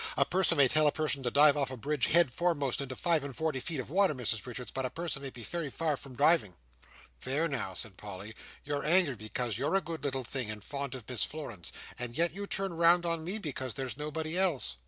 A person may tell a person to dive off a bridge head foremost into five and forty feet of water, Mrs Richards, but a person may be very far from diving." "There now," said Polly, "you're angry because you're a good little thing, and fond of Miss Florence; and yet you turn round on me, because there's nobody else."